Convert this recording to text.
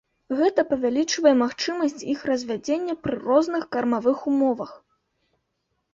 Гэта павялічвае магчымасці іх развядзення пры розных кармавых умовах.